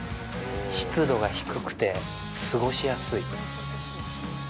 湿度が低くて過ごしやすい。